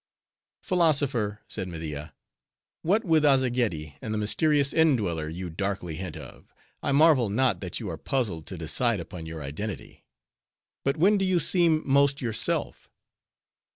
"Philosopher," said Media, "what with Azzageddi, and the mysterious indweller you darkly hint of, I marvel not that you are puzzled to decide upon your identity. But when do you seem most yourself?"